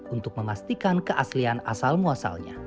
untuk memastikan keaslian asal muasalnya